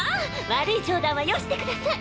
悪い冗談はよしてください。